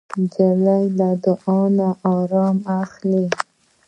نجلۍ له دعا نه ارام اخلي.